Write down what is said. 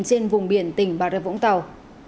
trên vùng biển tỉnh bà rợi vũng tàu